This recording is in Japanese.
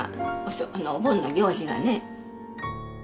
お盆の行事がね。